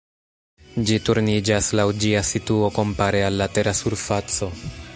Ĝi turniĝas laŭ ĝia situo kompare al la Tera surfaco.